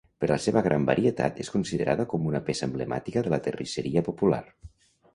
Per la seva gran varietat, és considerada com una peça emblemàtica de la terrisseria popular.